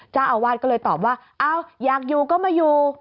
เจ้าอาวาสก็เลยตอบว่าอ้าวอยากอยู่ก็มาอยู่